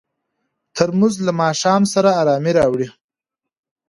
ترموز له ماښام سره ارامي راوړي.